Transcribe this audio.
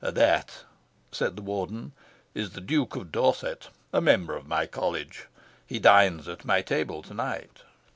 "That," said the Warden, "is the Duke of Dorset, a member of my College. He dines at my table to night."